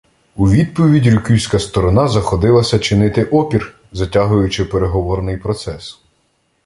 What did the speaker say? У відповідь рюкюська сторона заходилася чинити опір, затягуючи переговорний процес.